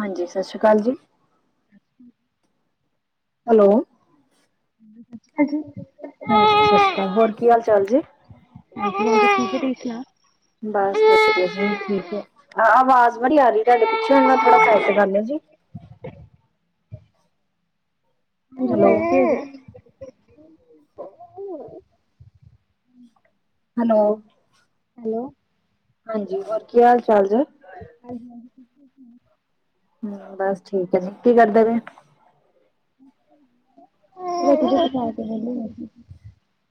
ਹਾਂਜੀ ਸਤਿ ਸ੍ਰੀ ਅਕਾਲ ਜੀ। ਅੱਛਾ ਹੈਲੋ ਅੱਜ ਜੀ ਹਾਂਜੀ ਸਤਿ ਸ਼੍ਰੀ ਅਕਾਲ ਹੋਰ ਕੀ ਹਾਲ ਚਾਲ ਜੀ [inaudible] ਬਸ ਵਧੀਆ ਠੀਕ ਹੈ ਹਾਂ ਆਵਾਜ਼ ਬੜੀ ਆ ਰਹੀ ਤੁਹਾਡੇ ਪਿੱਛੇ ਉਹਨਾ ਥੋੜਾ ਸਾਈਡ ਕਰਨਾ ਜੀ ਹੈਲੋ [inaudible] ਹੈਲੋ ਹੈਲੋ ਹਾਂਜੀ ਹੋਰ ਕੀ ਹਾਲ ਚਾਲ ਜੇ ਹਾਂਜੀ ਹਾਂਜੀ ਜੀ ਬਸ ਠੀਕ ਏ ਕੀ ਕਰਦੇ ਸੀ [inaudible]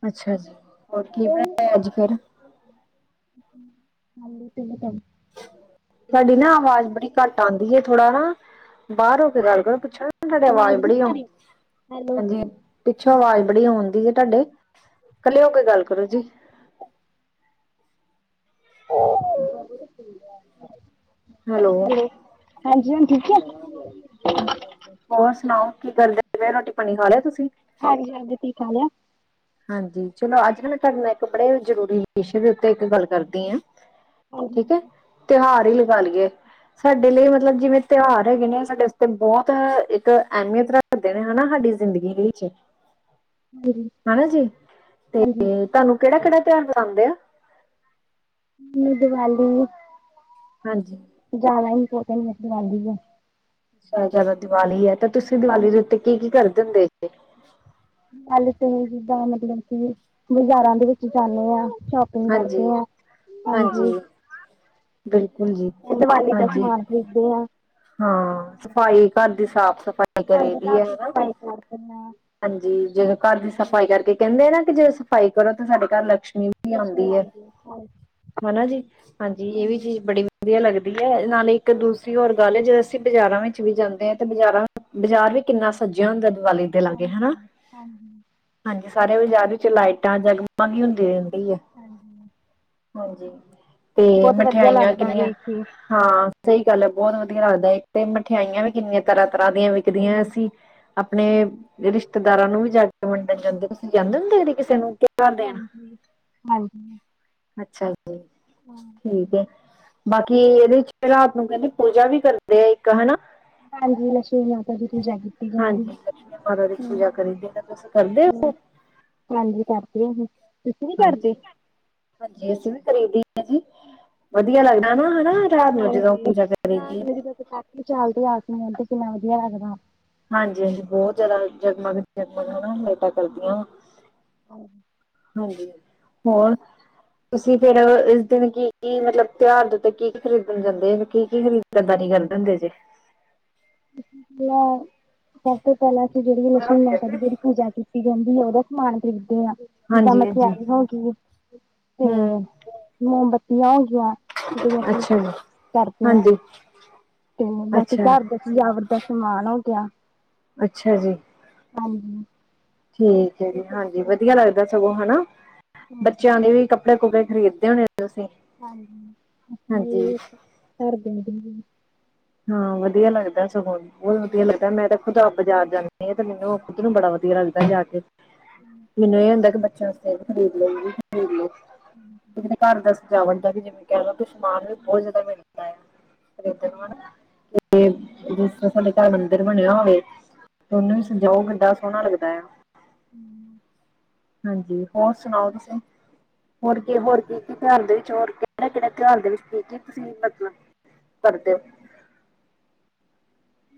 ਅੱਛਾ ਹੋਰ ਕੀ ਹਾਂਜੀ, ਬਣਾਆ ਅੱਜ ਫਿਰ [inaudible] ਸਾਡੀ ਨਾ ਆਵਾਜ਼ ਬੜੀ ਘੱਟ ਆਂਦੀ ਏ ਥੋੜਾ ਨਾ ਬਾਹਰ ਹੋ ਕੇ ਗੱਲ ਕਰੋ ਪੁੱਛ ਤੁਹਾਡੇ ਆਵਾਜ਼ ਨਹੀਂ ਬੜੀ ਆ ਰਹੀ ਹੈਲੋ ਆਦੀ ਪਿੱਛੋਂ ਆਵਾਜ਼ ਬੜੀ ਆਣ ਦੀ ਏ ਤੁਹਾਡੇ ਕੱਲੇ ਹੋ ਕੇ ਗੱਲ ਕਰੋ ਜੀ ਹੈਲੋ ਹਾਂਜੀ ਹੁਣ ਠੀਕ ਏ ਹੋਰ ਸੁਣਾਓ ਕੀ ਕਰਦੇ ਪਏ ਰੋਟੀ ਪਾਣੀ ਖਾ ਲਿਆ ਤੁਸੀਂ ਹਾਂਜੀ ਹਾਂਜੀ ਤੁਸੀਂ ਖਾ ਲਿਆ ਹਾਂਜੀ ਚਲੋ ਅੱਜ ਮੈਂ ਤੁਹਾਡੇ ਨਾਲ ਇੱਕ ਬੜੇ ਜ਼ਰੂਰੀ ਵਿਸ਼ੇ ਦੇ ਉੱਤੇ ਇੱਕ ਗੱਲ ਕਰਦੀ ਆ ਹਾਂਜੀ ਠੀਕ ਏ ਤਿਉਹਾਰ ਹੀ ਲਗਾ ਲਈਏ। ਸਾਡੇ ਲਈ ਮਤਲਬ ਜਿਵੇਂ ਤਿਉਹਾਰ ਹੈਗੇ ਨੇ ਸਾਡੇ ਤੇ ਬਹੁਤ ਇੱਕ ਅਹਿਮੀਅਤ ਰੱਖ ਕਰਦੇ ਨੇ ਹਨਾ ਸਾਡੀ ਜ਼ਿੰਦਗੀ ਦੇ ਵਿੱਚ ਹ [inaudible] ਹਨਾ ਜੀ ਤੇ ਤੁਹਾਨੂੰ ਕਿਹੜਾ ਕਿਹੜਾ ਤਿਉਹਾਰ ਮਨਾਉਂਦੇ ਆ ਦੀਵਾਲੀ ਹਾਂਜੀ [inaudible] ਜ਼ਿਆਦਾ ਇੰਪੋਰਟੈਂਟ ਮਲਬ ਆਦੀ ਹੈ ਆ ਦੀਵਾਲੀ ਏ ਤਾਂ ਤੁਸੀਂ ਦੀਵਾਲੀ ਦੇ ਹਾਂਜੀ ਉੱਤੇ ਕੀ ਕੀ ਕਰਦੇ ਹੁੰਦੇ ਗੱਲ ਸਹੀ ਜਿਦਾਂ ਮਤਲਬ ਅਸੀਂ ਬਾਜ਼ਾਰਾਂ ਦੇ ਵਿੱਚ ਜਾਂਦੇ ਹਾਂ ਸ਼ੋ ਸ਼ਾਪਿੰਗ ਹਾਂਜੀ ਕਰਦੇ ਆ ਹਾਂਜੀ। ਬਿਲਕੁਲ ਜੀ ਇਹ ਦੀਵਾਲੀ ਦਾ ਹਾਂਜੀ ਸਮਾਨ ਖਰੀਦਦੇ ਹਾਂ ਹਾਂ ਸਫ਼ਾਈ ਘਰ ਦੀ ਸਾਫ਼ ਸਫ਼ਾਈ ਕਰੀ ਦੀ ਏ ਨਾ ਕਰਕਨਾ ਹਾਂਜੀ ਜਦੋਂ ਘਰ ਦੀ ਸਫ਼ਾਈ ਕਰਕੇ ਕਹਿੰਦੇ ਆ ਨਾ ਕਿ ਜਦੋਂ ਸਫ਼ਾਈ ਕਰੋ ਤਾਂ ਸਾਡੇ ਘਰ ਲਕਸ਼ਮੀ ਹਾਂਜੀ ਆਉਂਦੀ ਹੈ ਹਾਂਜੀ ਹਨਾ ਜੀ ਹਾਂਜੀ ਇਹ ਵੀ ਚੀਜ਼ ਬੜੀ ਵਧੀਆ ਲੱਗਦੀ ਏ ਨਾਲੇ ਇੱਕ ਦੂਸਰੀ ਹੋਰ ਗੱਲ ਏ ਜਦੋਂ ਅਸੀਂ ਬਾਜ਼ਾਰਾਂ ਵਿੱਚ ਵੀ ਜਾਂਦੇ ਹਾਂ ਤੇ ਬਾਜ਼ਾਰਾਂ ਬਜ਼ਾਰ ਵੀ ਕਿੰਨਾ ਸੱਜਿਆ ਹੁੰਦਾ ਦੀਵਾਲੀ ਤੇ ਹਾਂਜੀ ਹਾਂਜੀ ਹਾਂਜੀ ਸਾਰੇ ਬਾਜ਼ਾਰ ਵਿੱਚ ਲਾਈਟਾਂ ਜਗਮਗ ਈ ਹੁੰਦੀ ਰਹਿੰਦੀ ਏ ਹਾਂਜੀ ਹਾਂਜੀ ਤੇ ਬਹੁਤ ਵਧੀਆ ਮਠਿਆਈਆਂ ਲੱਗਦਾ ਕਿੰਨੀਆਂ ਵੇਖ ਕੇ ਹਾਂ ਸਹੀ ਗੱਲ ਹੈ ਬਹੁਤ ਵਧੀਆ ਲੱਗਦਾ ਇੱਕ ਤੇ ਮਠਿਆਈਆਂ ਵੀ ਕਿੰਨੀਆਂ ਤਰ੍ਹਾਂ ਤਰ੍ਹਾਂ ਦੀਆਂ ਵਿਕਦੀਆਂ ਹਾਂਜੀ ਅਸੀਂ ਅਪਣੇ ਹਾਂਜੀ ਰਿਸ਼ਤੇਦਾਰਾਂ ਨੂੰ ਵੀ ਜਾ ਕੇ ਵੰਡਣ ਜਾਂਦੇ ਤੁਸੀਂ ਜਾਂਦੇ ਹੁੰਦੇ ਕ ਕਿਸੇ ਨੂੰ ਤਿਉਹਾਰ ਦੇਣ ਹਾਂਜੀ ਹਾਂਜੀ ਅੱਛਾ ਠੀਕ ਹੈ ਬਾਕੀ ਇਹਦੇ ਚ ਰਾਤ ਨੂੰ ਕਹਿੰਦੇ ਪੂਜਾ ਵੀ ਕਰਦੇ ਆ ਇੱਕ ਹਨਾ ਹਾਂਜੀ ਲਕਸ਼ਮੀ ਮਾਤਾ ਦੀ ਪੁੱਜਾ ਹੀ ਹਾਂਜੀ ਦਸ਼ ਮਹਾਰਾ ਦੀ ਪੂਜਾ ਕਰੀਦੀ ਤਾਂ ਤੁਸੀਂ ਕਰਦੇ ਹੋ ਹਾਂਜੀ ਕਰਦੀ ਹ [inaudible] ਹਾਂਜੀ ਅਸੀਂ ਵੀ ਖਰੀਦੀ ਹੈ ਜੀ ਵਧੀਆ ਲੱਗਦਾ ਨਾ ਹਨਾ ਰਾਤ ਨੂੰ ਜਦੋਂ ਹਾਂਜੀ ਪੂਜਾ ਕਰੀਦੀ ਏ ਜਦੋਂ ਚੱਲਦੇ ਆਮੀ ਤੇ ਕਿੰਨਾ ਵਧੀਆ ਲੱਗਦਾ [inaudible] ਹਾਂਜੀ ਹਾਂਜੀ ਬਹੁਤ ਜ਼ਿਆਦਾ ਜਗਮਗ ਜਗਮਗ ਨਾ ਲੇਟਾਂ ਕਰਦੀਆਂ ਹਾਂਜੀ ਹੋਰ ਤੁਸੀਂ ਫਿਰ ਦਿਨ ਕੀ ਕੀ ਮਤਲਬ ਤਿਉਹਾਰ ਦੇ ਉੱਤੇ ਕੀ ਕੀ ਖਰੀਦਣ ਜਾਂਦੇ ਕੀ ਕੀ ਖਰੀਦਦਾਰੀ ਕਰਦੇ ਹੁੰਦੇ ਜੇ ਪਹਿਲਾਂ ਸਭ ਤੋਂ ਪਹਿਲਾਂ ਅਸੀਂ ਜਿਹੜੀ ਲਛਮੀ ਮਾਤਾ ਦੀ ਜਿਹੜੀ ਪੂਜਾ ਕੀਤੀ ਕਹਿੰਦੀ ਉਹਦਾ ਸਮਾਨ ਖਰੀਦੇ ਆਾਂ ਜਿੱਦਾਂ ਹਾਂਜੀ ਹਾਂਜੀ ਮਠਿਆਈ ਹੋ ਗਈ ਤੇ ਹੂੰ ਮੋਮਬੱਤੀਆਂ ਹੋਈਆਂ ਜਿਸੀਂ ਅੱਛਾ ਜੀ ਕਰਦੇ ਹਾਂ ਹਾਂਜੀ ਤੇ ਬਾਕੀ ਅੱਛਾ ਘਰ ਦ ਸਜਾਵਟ ਦਾ ਸਮਾਨ ਹੋ ਗਿਆ ਅੱਛਾ ਜੀ ਹਾਂਜੀ ਠੀਕ ਹੈ ਇਹ ਜੀ ਕੁਛ ਹਾਂਜੀ ਵਧੀਆ ਖਰੀਦਦੇ ਆ। ਲੱਗਦਾ ਸਗੋਂ ਹਨਾ ਹਾਂਜੀ ਬੱਚਿਆਂ ਦੇ ਵੀ ਕੱ ਕੱਪੜੇ ਕੁੱਪੜੇ ਖਰੀਦੇ ਹੋਣੇ ਤੁਸੀਂ ਹਾਂਜੀ ਹਾਂਜੀ ਆਪਣੇ ਘ ਦੇ ਹਾਂ ਵਧੀਆ ਲੱਗਦਾ ਸਗ ਨੂੰ ਬਹੁਤ ਵਧੀਆ ਲੱਗਦਾ ਮੈਂ ਤਾਂ ਖੁਦ ਆਪਜ਼ਾਰ ਜਾਂਦੇ ਆ ਤੇ ਮੈਨੂੰ ਖੁਦ ਨੂੰ ਬੜਾ ਵਧੀਆ ਲੱਗਦਾ ਜਾ ਕੇ ਮੈਨੂੰ ਇਹ ਹੁੰਦਾ ਕਿ ਬੱਚਾ ਖਰੀਦ ਲ ਖਰੀਦ ਘਰ ਦਾ ਸਜਾਵਣ ਦਾ ਵੀ ਜਿਵੇਂ ਕ ਕੁਛ ਸਮਾਨ ਵੀ ਬਹੁਤ ਜ਼ਿਆਦਾ ਮਿਲਦਾ ਆ ਖ਼ਰੀਦਣ ਨੂੰ ਹਨਾ ਤੇ ਜਿਸ ਤਰ੍ਹਾਂ ਸਾਡੇ ਘਰ ਮੰਦਿਰ ਬਣਿਆ ਹੋਵੇ ਤੁਨੂੰ ਵੀ ਸਜਾਓ ਗੱਡ ਸੋਹਣਾ ਲੱਗਦਾ ਆ ਹਮ ਹਾਂਜੀ ਹੋਰ ਸੁਣਾਓ ਤੁਸੀਂ ਹੋਰ ਕੀ ਹੋਰ ਕੀ ਕੀ ਤਿਉਰ ਦੇ ਵਿੱਚ ਹੋਰ ਕਿਹੜਾ ਕਿਹੜਾ ਘਿਆਰ ਦੇ ਵਿੱਚ ਸੀ ਕੀ ਤੁਸੀਂ ਮਤਲਬ ਕਰਦੇ ਹੋ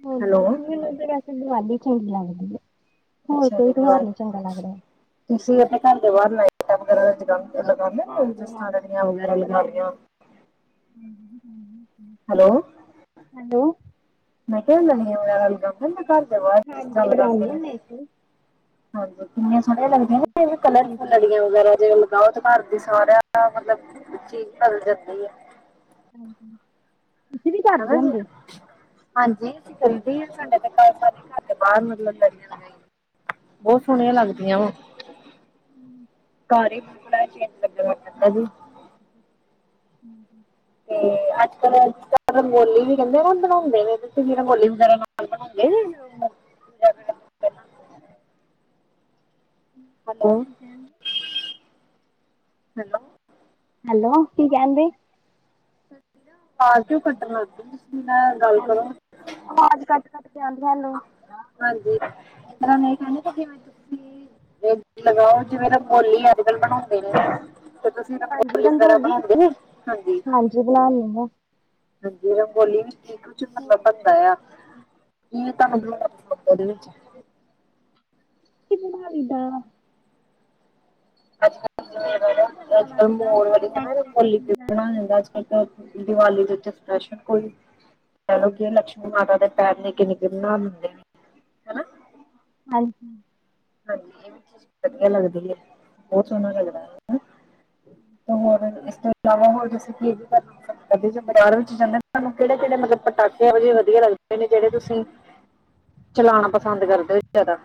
ਹ ਹੈਲੋ ਮੂੰਧ ਵੈਸੇ ਦੀਵਾਲੀ ਚੰਗੀ ਲੱਗਦੀ ਹੈ ਹੋਰ ਅੱਛਾ ਜੀ ਕੋਈ ਤਿਉਹਾਰ ਦੀਵਾਲੀ ਨੀ ਚੰਗਾ ਲੱਗ ਰਿਹਾ ਤੁਸੀਂ ਘਰ ਦੇ ਬਾਹਰ ਨਾਈਟ ਵਗੈਰਾ ਲਗਾਉਂਦੇ ਹਾਂਜੀ ਜਿਸ ਤਰ੍ਹਾਂ ਹਾਂਜੀ ਰੜੀਆਂ ਵਗੈਰਾ ਲਗਾ ਰਆਂ ਹਾਂ ਹੈਲੋ ਹੈਲੋ। ਮੈਂ ਕਿਹਾ ਨ ਘਰ ਬ ਹਾਂਜੀ ਲਗਾਉਂਦੇ ਲਦੇ ਹੁੰਦੇ ਅਸੀਂ। ਹਾਂਜੀ ਕਿੰਨੀਆਂ ਸੋਹਣੀਆਂ ਲੱਗਦੀਆਂ ਹਾਂਜੀ। ਨੇ ਕਲਰ ਹਾਂਜੀ ਫੁੱਲੜੀਆਂ ਵਗੈਰਾ ਜੇ ਲਗਾਓ ਤਾਂ ਘਰ ਦੀ ਸਾਰਿਆਂ ਮਤਲਬ ਚੀਜ਼ ਬਦਲ ਜਾਂਦੀ ਹੈ ਹਾਂਜੀ ਤੁਸੀਂ ਵੀ ਹ ਕਰਦੇ ਜ ਹੁੰਦੇ ਹਾਂਜੀ ਅਸੀਂ ਕਿੰਦੇ ਹ ਸਾਡੇ ਤੇ ਤੇ ਬਾਹਰ ਮਤਲਬ ਲੜੀਆਂ ਲਾਈ ਬਹੁਤ ਸੋਹਣੀਆਂ ਲੱਗਦੀਆਂ ਵ ਘਰ ਹੀ ਬਿਲਕੁਲ ਚੇਂਜ ਲੱ ਜੀ ਹਮ ਤੇ ਅੱਜ ਕਲ ਅੱ ਰੰਗੋਲੀ ਵੀ ਕਹਿੰਦੇ ਨਾ ਬਣਾਉਂਦੇ ਨੇਸੀਂ ਰੰਗੋਲੀ ਵਗੈਰਾ ਬਉ ਬਣਾਉਣ ਗਏ ਸੀ। Hello hello. ਹੈਲੋ ਕੀ ਕਹਿੰਦੇ। ਮੈਂ ਕਿਹਾ ਅਵਾਜ਼ ਕਿਉਂ ਘੱਟ ਆਉਂਦੀ ਤੁਸੀਂ ਇੰਨਾ ਨਾਲ ਗੱਲ ਕਰੋ। ਅਵਾਜ਼ ਕੱਟ ਕੱਟ ਕੇ ਆਉਂਦੀ ਸਾਨੂੰ। ਹਾਂਜੀ ਇਸ ਤਰ੍ਹਾਂ ਮੈਂ ਇਹ ਕਹਿੰਦੀ ਸੀ ਜਿਵੇਂ ਤੁਸੀਂ। ਤੇ ਲਗਾਓ ਜਿਵੇਂ ਨਾ ਬੌਲੀ ਅੱਜ ਕੱਲ ਬਣਾਉਂਦੇ ਨੇ। ਫੇਰ ਤੁਸੀਂ ਹਾਂਜੀ ਰੰਗੋਲੀ ਵਗੈਰਾ ਬਣਾਉਂਦੇ ਹਾਂਜੀ। ਜੀ ਬਣਾਉਣ ਨਹੀਂ ਦਿੰਦਾ। ਹਾਂਜੀ ਰਗੋਲੀ ਵੀ ਠੀਕ ਕੁ ਪ ਕੀ ਤਾਂ ਉਹਦੇ ਵਿੱਚ ਇਸ ਨਾਲੀ ਦਾ। ਅੱਜ ਕੱਲ ਹਨਾ ਵਾਲ ਅੱਜ ਕੱਲ ਮੋਰ ਵਾਲੀ ਬਣਾਉਂਦੇ ਹੁੰਦੇ ਅੱਜ। ਏਧਰ ਦੀਵਾਲੀ ਦੇ ਵਿੱਚ ਸਪੈਸ਼ਲ ਕੋਈ। ਚਲੋ ਕੀਆ ਲਕਸ਼ਮੀ ਮਾਤਾ ਦੇ ਪੈਰ ਨਿੱਕੇ ਨਿੱਕੇ ਬਣਾ ਦਿੰਦੇ ਨੇ ਹਨਾ। ਹਾਂਜੀ। ਹਾਂਜੀ ਇਹ ਵੀ ਚੀਜ਼ ਵਧੀਆ ਲੱਗਦੀ ਹੈ ਬਹੁਤ ਸੋਹਣਾ ਲੱਗਦਾ ਹਨਾ। ਤੋਂ ਹੋਰ ਇਸ ਤੋਂ ਇਲਾਵਾ ਹੋਰ ਵੀ ਅਸੀਂ ਕੀ ਕਰ ਸਕਦੇ। ਦਿਵਾਲੀ 'ਚ ਬਜ਼ਾਰਾਂ ਵਿੱਚ ਜਾਂਦੇ ਤੁਹਾਨੂੰ ਕਿਹੜੇ ਕਿਹੜੇ ਮਤਲਬ ਪਟਾਕੇੇ ਵਧੀਆ ਲੱਗਦੇ ਨੇ ਜਿਹੜੇ ਤੁਸੀਂ। ਚਲਾਉਣਾ ਪਸੰਦ ਕਰਦੇ ਹੋ ਜ਼ਿਆਦਾ।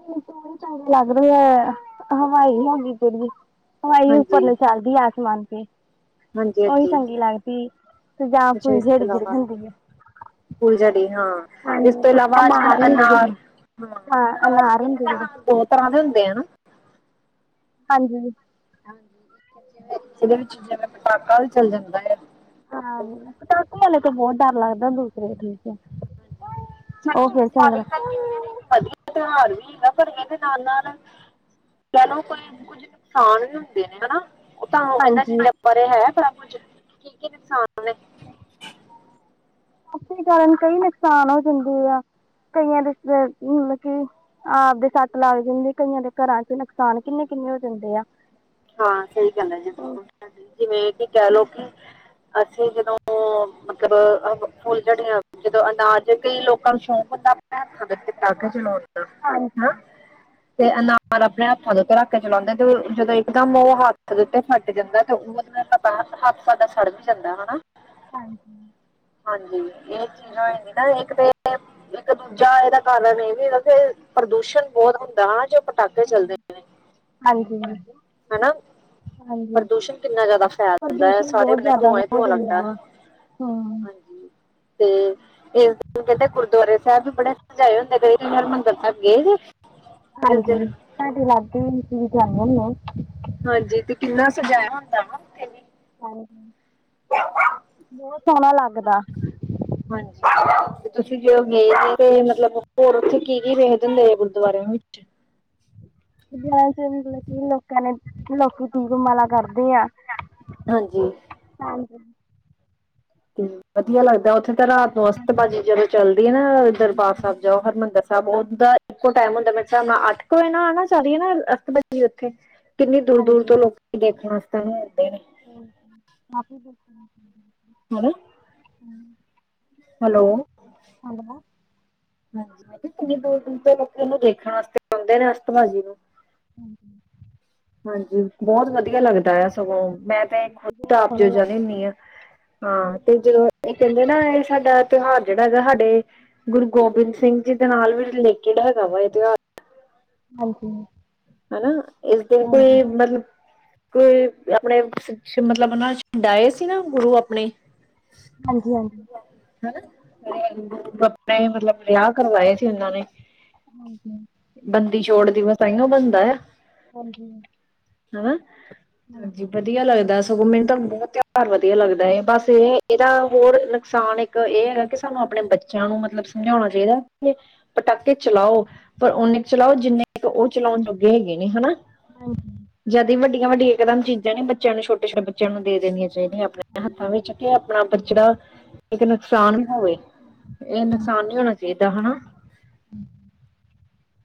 ਮੈਨੂੰ ਲੱਗ ਰਿਹਾ ਹੈ ਹਵਾ ਨਹੀਂ ਹੈਗੀ ਜਿੰਨੀ। ਹਵਾਈ ਉੱਪਰ ਹਾਂਜੀ ਨੂੰ ਚੱਲਦੀ ਹੈ। ਆਸਮਾਨ ਤੇ। ਹਾਂਜੀ ਉਹੀ ਹਾਂਜੀ ਚੰਗੀ ਲੱਗਦੀ ਤੇ ਜਾਂ ਫੇਰ ਜਿਹੜੀ ਜਿੜ ਹੁੰਦੀ ਹੈ। ਸਕੂਲ ਜਾ ਰਹੀ ਹਾਂ। ਤੇ ਇਸ ਤੋਂ ਹਾਂਜੀ ਇਲਾਵਾ ਅੱਜ ਕੱਲ੍ਹ ਹੁੰਦੇ ਜਿਹੜੇ ਅਨਾਰ ਹਾਂ ਅਨਾਰ ਬਹੁਤ। ਤਰ੍ਹਾਂ ਦੇ ਹੁੰਦੇ ਆ ਨਾ। ਹਾਂਜੀ। ਹਾਂਜੀ ਜਿਵੇਂ ਜਿਵੇਂ ਜਿਹਦੇ ਵਿੱਚ ਜਿਵੇਂ ਪਟਾਕਾ ਵੀ ਚਲ ਜਾਂਦਾ ਹੈ। ਤੇ ਹਾਂ ਪਟਾਕੇ ਵਾਲੇ ਤੋਂ ਬਹੁਤ ਡਰ ਲੱਗਦਾ ਦੂਸਰੇ ਠੀਕੇ ਹੈ। ਉਹ ਸੱਚਲੁਜ ਫਿਰ ਦਿਵਾਲੀ ਚੰਗਾ ਤਾਂ ਕਹਿੰਦੇ ਨੇ ਇੱਕ ਵਧੀਆ ਤਿਉਹਾਰ ਵੀ ਹੈਗਾ ਪਰ ਇਹਦੇ ਨਾਲ ਨਾਲ। ਚਲੋ ਕੋਈ ਕੁਝ ਨੁਕਸਾਨ ਵੀ ਹੁੰਦੇ ਨੇ ਹਨਾ। ਉਹ ਤਾਂ ਉਹ ਕਹਿੰਦਾ ਸੀ ਹਾਂਜੀ ਇਹਨਾਂ ਚੀਜ਼ਾਂ ਬਾਰੇ ਹੈ ਬੜਾ ਕੁਝ ਕੀ ਕੀ ਨੁਕਸਾਨ ਨੇ। ਪਟਾਕੇ ਕਾਰਨ ਕਈ ਨੁਕਸਾਨ ਹੋ ਜਾਂਦੇ ਆ ਕਈਆਂ ਦੇ ਮਤਲਬ ਕੀ। ਆਪ ਦੇ ਸੱਟ ਲੱਗ ਜਾਂਦੀ ਹੈ। ਕਈਆਂ ਦੇ ਘਰਾਂ 'ਚ ਨੁਕਸਾਨ ਕਿੰਨੇ ਕਿੰਨੇ ਹੋ ਜਾਂਦੇ ਆ। ਹਾਂ ਸਹੀ ਗੱਲ ਹੈ। ਜੀ ਬਿਲਕੁਲ ਜਿਵੇਂ ਕਿ ਕਹਿ ਲਓ ਕਿ ਅਸੀਂ ਜਦੋਂ। ਜਦੋਂ ਮਤਲਬ ਫੁੱਲਝੜੀਆਂ ਜਦੋਂ ਅਨਾਜ ਕਈ ਲੋਕਾਂ ਨੂੰ ਸ਼ੌਂਕ ਹੁੰਦਾ ਹੈ। ਕਿ ਹੱਥਾਂ ਦੇ ਵਿੱਚ ਪਟਾਕੇ ਚਲਾਉਣ। ਹਾਂ ਹਾਂਜੀ ਹਨਾ ਤੇ ਅਨਾਰ ਆਪਣੇ ਹੱਥਾਂ ਦੇ ਉੱਤੇ ਰੱਖ ਕੇ ਚਲਾਉਂਦੇ ਤੇ ਉਹ ਜਦੋਂ। ਇਕਦਮ ਉਹ ਹੱਥ ਦੇ ਉੱਤੇ ਫੱਟ ਜਾਂਦਾ ਤੇ ਉਹ ਉਸ ਨਾਲ ਸਾਡਾ ਹੱਥ ਸੜ ਵੀ ਜਾਂਦਾ ਹੈ ਹਨਾ। ਹਾਂਜੀ। ਹਾਂਜੀ ਇਹ ਚੀਜ਼ ਹੋ ਜਾਂਦੀ ਹੈ। ਨਾ ਇੱਕ ਤੇ। ਇੱਕ ਦੂਜਾ ਇਹਦਾ ਕਾਰਨ ਇਹ ਵੀ ਕੇ ਪ੍ਰਦੂਸ਼ਣ ਬਹੁਤ ਹੁੰਦਾ ਹਨਾ ਜੋ ਪਟਾਕੇ ਚੱਲਦੇ ਨੇ। ਹਾਂਜੀ ਹਾਂਜੀ। ਹਨਾ ਪ੍ਰਦੂਸ਼ਣ ਕਿੰਨਾ ਜ਼ਿਆਦਾ ਫੈਲ ਜਾਂਦਾ ਹੈ। ਪ੍ਰਦੂਸ਼ਣ ਸਾਰੇ ਬਹੁਤ ਬੰਨੇ ਜ਼ਿਆਦਾ ਧੂੰਆਂ ਹੀ ਹੋ ਧੂੰਆਂ ਲੱਗਦਾ ਜਾਂਦਾ ਵਾ ਹੈ। ਹਮ ਹਾਂਜੀ ਤੇ। ਇਸ ਦਿਨ ਕਹਿੰਦੇ ਗੁਰਦੁਆਰੇ ਸਾਹਿਬ ਵੀ ਬੜੇ ਸਜਾਏ ਹੁੰਦੇ ਕਈ ਕਈ ਵਾਰ ਹਰਿਮੰਦਰ ਸਾਹਿਬ ਗਏ ਸੀ। ਹਾਂਜੀ ਸਾਡੇ ਲਾਗੇ ਆ ਅਸੀਂ ਵੀ ਜਾਣੇ ਹੁਣੇ ਹਾਂ। ਹਾਂਜੀ ਤੇ ਕਿੰਨਾ ਸਜਾਇਆ ਹੁੰਦਾ ਹਨਾ ਉੱਥੇ ਵੀ। ਹਾਂਜੀ ਬਹੁਤ ਸੋਹਣਾ ਲੱਗਦਾ। ਹਾਂਜੀ ਤੇ ਤੁਸੀਂ ਜਦੋਂ ਗਏ ਸੀਗੇ ਮਤਲਬ ਹੋਰ ਉੱਥੇ ਕੀ ਕੀ ਵੇਖਦੇ ਹੁੰਦੇ ਆ ਗੁਰਦੁਆਰਿਆਂ ਦੇ ਵਿੱਚ। ਇਸ ਦਿਨ ਮਤਲਬ ਕਿ ਲੋਕਾਂ ਨੇ ਲੋਕ ਦੀਪਮਾਲਾ ਕਰਦੇ ਆ। ਹਾਂਜੀ, ਹੁਣ ਹਾਂਜੀ, ਵਧੀਆ ਲੱਗਦਾ ਉੱਥੇ ਤਾਂ ਰਾਤ ਨੂੰ ਹਾਂਜੀ ਅਸਤਬਾਜੀ ਜਦੋਂ ਚਲਦੀ ਆ ਨਾ ਦਰਬਾਰ ਹਾਂਜੀ ਸਾਹਿਬ ਜਾਓ ਹਰਿਮੰਦਰ ਇੱਕੋ ਟਾਈਮ ਹੁੰਦਾ, ਮੇਰੇ ਅੱਠ ਕੁ ਵ ਆਣਾ ਚੱਲਦੀਏ ਨਾਸ ਉੱਥੇ ਕਿੰਨੀ ਦੂਰ-ਦੂਰ ਹਾਂਜੀ ਤੋਂ ਲੋਕ ਦੇਖਣ ਵਾਸਤੇ ਆਦੇ ਨੇ, ਮ ਹੈ ਹੈਲੋ, ਹੈਲੋ, ਹਾਂਜੀ ਮੈਂ ਕਿੰਨੀ ਦੂਰ ਦੂਰ ਤੇ ਲੋਕ ਇਹਨੂੰ ਦੇਖਣ ਵਾਸਤੇ ਆਉਂਦੇ ਨੇ ਅਸਤਵਾਜੀ ਨੂੰ। ਹਾਂਜੀ, ਹਾਂਜੀ, ਬਹੁਤ ਵਧੀਆ ਲੱਗਦਾ ਆ ਸਗੋਂ ਮੈਂ ਤਾਂ ਖੁਦ ਬਹੁਤ ਤਾਂ ਆਪ ਜ ਸੋਹਣਾ ਜਾਂਦੀ ਲੱਗਦਾ ਹੁੰਦੀ ਹਾਂ। ਹਾਂ ਤੇ ਜਦੋਂ ਇਹ ਕਹਿੰਦੇ ਨਾ ਇਹ ਸਾਡਾ ਤਿਉਹਾਰ ਜਿਹੜਾ ਹੈਗਾ ਸਾਡੇ ਗੁਰੂ ਗੋਬਿੰਦ ਸਿੰਘ ਜੀ ਦੇ ਨਾਲ ਵੀ ਰਿਲੇਟਿਡ ਹੈਗਾ ਵਾ ਇਹਿਉਹ ਹਾਂਜੀ, ਹੈ ਨਾ, ਇਸ ਦਿਨ ਹਾਂਜੀ ਕੋਈ ਮਤਲਬ। ਕੋਈ, ਆਪਣੇ ਨਾ ਮਤਲਬ ਉਹ ਛੰਡਾਏ ਸੀ, ਨਾ ਗੁਰੂ ਆਪਣੇ। ਹਾਂਜੀ-ਹਾਂਜੀ। ਹੈ ਨਾ, ਘਰੇਲੂ [inaudible] ਆਪਣੇ ਮਤਲਬ ਵਿਆਹ ਕਰਵਾਏ ਸੀ, ਉਹਨਾਂ ਨੇ ਹਾਂਜੀ। ਬੰਦੀ ਛੋੜ ਦਿਵਸ ਤਾਈਓ ਬਣਦਾ ਆ। ਹਾਂਜੀ। ਹੈ, ਹਾਂਜੀ ਵਧੀਆ ਲੱਗਦਾ। ਸਗੋ ਮੈਨੂੰ ਤਾਂ ਬਹੁਤ ਤਿਉਹਾਰ ਵਧੀਆ ਲੱਗਦਾ ਇਹ ਬਸ ਇਹ ਇਹਦਾ ਹੋਰ ਨੁਕਸਾਨ। ਇਹ ਹੈ ਕਿ ਸਾਨੂੰ ਆਪਣੇ ਬੱਚਿਆਂ ਨੂੰ ਮਤਲਬ ਸਮਝਾਣਾ ਚਾਹੀਦਾ ਕਿ। ਪਟਾਕੇ ਚਲਾਓ, ਪਰ ਓਨੇ ਕੁ ਚਲਾਓ ਜਿੰਨੇ ਕੁ ਉਹ ਚਲਾਉਣ ਜੋਗੇ ਹੈਗੇ ਨੇ ਹੈ ਨਾ। ਹਾਂਜੀ। ਜਦੀ ਵੱਡੀਆਂ ਵੱਡੀਆਂ ਇਕਦਮ ਚੀਜ਼ਾਂ ਨੇ ਬੱਚਿਆਂ ਨੂੰ ਛੋਟੇ ਛੋਟੇ। ਬੱਚਿਆਂ ਨੂੰ ਦੇ ਦੇਣੀਆਂ ਚਾਹੀਦੀਆਂ, ਆਪਣੇ ਹਾਂਜੀ ਹੱਥਾਂ ਵਿੱਚ ਕਿ ਆਪਣਾ ਪ੍ਰਚਦਾ। ਕਦੀ ਨੁਕਸਾਨ ਵੀ ਹੋਵੇ, ਇਹ ਨੁਕਸਾਨ ਨੀ ਹੋਣਾ ਚਾਹੀਦਾ ਹੈ ਨਾ। ਹੂੰ।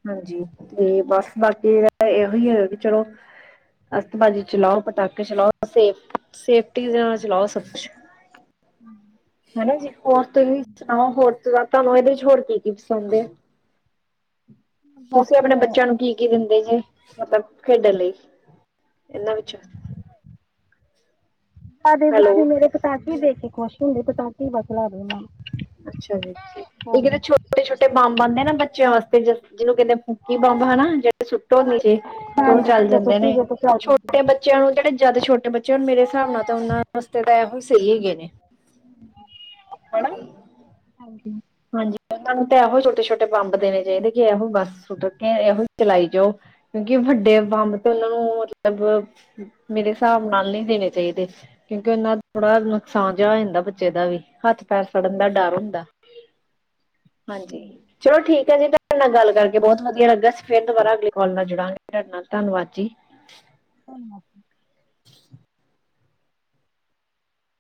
ਹਾਂਜੀ ਤੇ ਬਸ ਬਾਕੀ ਇਹੋ ਹੀ ਹੈਗਾ ਕਿ ਚਲੋ। ਅਸ਼ਤਬਜੀ ਚਲਾਓ, ਪਟਾਕੇ ਚਲਾਓ ਸੇ ਸੇਫਟੀ ਦੇ ਨਾਲ ਚਲਾਓ ਸਭ ਕੁਛ। ਬਾਏ। ਹੂੰ। ਹਨਾ ਜੀ, ਹੋਰ ਤੁਸੀਂ ਸੁਣਾਓ? ਹੋਰ ਤੁਹਾਨੂੰ ਇਹਦੇ ਚ ਹੋਰ ਕੀ ਕੀ ਪਸੰਦ ਹੈ। ਬਸ ਤੁਸੀਂ ਆਪਣੇ ਬੱਚਿਆਂ ਨੂੰ ਕੀ ਕੀ ਦਿੰਦੇ ਜੇ ਮਤਲਬ ਖੇਡਣ ਲਈ ਇਹਨਾਂ ਵਿੱਚੋਂ। ਅੱਛਾ। ਸਾਡੇ ਬੱਚੇ ਮੇਰੇ ਪਟਾਕੇ ਦੇਖ, ਕੇ ਖੁਸ਼ ਹੁੰਦੇ ਪਟਾਕੇ ਬਸ ਲਾ ਦੇ ਨੇ। ਅੱਛਾ ਜੀ, ਇੱਕ ਜਿਹੜੇ ਛੋਟੇ-ਛੋਟੇ ਬੰਬ ਆਦੇ, ਆ ਨਾ ਬੱਚਿਆਂ ਵਾਸਤੇ ਜਿਹਨੂੰ ਕਹਿੰਦੇ। ਮੁੱਕੀ ਬੰਬ ਹੈ ਨਾ, ਜਿਹੜੇ ਸੁੱਟੋ ਨੀਚੇ ਉਹ ਹਾਂਜੀ, ਚੱਲ ਚਲੋ ਜਾਂਦੇ ਨੇ ਠੀਕ ਹੈ, ਛੋਟੇ ਬੱਚੇ। ਬੱਚਿਆਂ ਨੂੰ ਜਿਹੜੇ, ਜਿਆਦਾ ਛੋਟੇ ਬੱਚੇ ਮੇਰੇ ਹਿਸਾਬ ਨਾਲ ਉਹਨਾਂ ਵਾਸਤੇ ਤਾਂ ਇਹੋ ਸਹੀ ਹੈਗੇ ਨੇ। ਹੂੰ। ਹੈ ਨਾਂ। ਹਾਂਜੀ। ਹਾਂਜੀ, ਉਹਨਾਂ ਨੂੰ ਤਾਂ ਇਹੋ ਛੋਟੇ-ਛੋਟੇ ਬੰਬ ਦੇ ਦਈ ਦੇ, ਕਿ ਇਹੋ ਹੀ ਬੱਸ ਸੁੱਟ ਕੇ ਇਹੋ ਚਲਾਈ ਜਾਓ। ਕਿਉਂਕਿ! ਵੱਡੇ ਬੰਬ ਤੇ ਉਹਨਾਂ ਨੂੰ ਅ ਮਤਲਬ, ਮੇਰੇ ਹਿਸਾਬ ਨਾਲ ਨਹੀਂ ਦੇਣੇ ਚਾਹੀਦੇ। ਕਿਉਂਕਿ ਓਹਦੇ ਨਾ ਥੋੜਾ ਨੁਕਸਾਨ ਜਿਹਾ ਹੋ ਜਾਂਦਾ ਬੱਚੇ ਦਾ ਵੀ ਹੱਥ ਪੈਰ ਸੜਨ ਦਾ ਡਰ ਹੁੰਦਾ। ਹਾਂਜੀ! ਚਲੋ ਠੀਕ ਆ ਜੀ, ਤੁਹਾਡੇ ਨਾਲ ਗੱਲ ਕਰਕੇ ਬਹੁਤ ਵਧੀਆ ਲੱਗਾ। ਅਸੀ ਫਿਰ ਦੁਬਾਰਾ ਅਗਲੀ ਕਾਲ ਨਾਲ ਜੁੜਾਂਗੇ ਤੁਹਾਡੇ ਨਾਲ ਧੰਨਵਾਦ ਜੀ। ਧੰਨਵਾਦ।